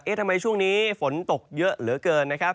เอ๊ะทำไมช่วงนี้ฝนตกเยอะเหลือเกิน